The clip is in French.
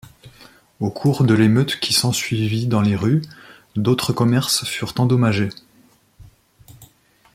Au cours de l'émeute qui s'ensuivit dans les rues, d'autres commerces furent endommagés.